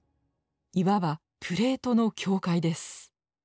いわばプレートの境界です。